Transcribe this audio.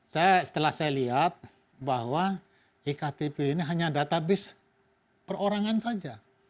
saya setelah saya lihat bahwa iktp ini hanya database perorangan saja